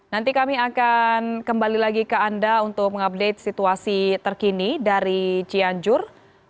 nanti kami akan kembali lagi ke anda untuk mengupdate situasi terkini dari cianjur